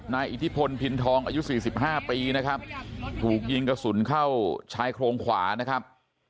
อิทธิพลพินทองอายุ๔๕ปีนะครับถูกยิงกระสุนเข้าชายโครงขวานะครับ